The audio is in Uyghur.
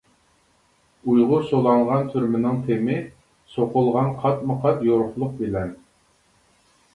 ئۇيغۇر سولانغان تۈرمىنىڭ تېمى سوقۇلغان قاتمۇ-قات يورۇقلۇق بىلەن.